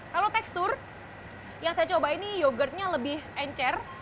kalau tekstur yang saya coba ini yogurtnya lebih encer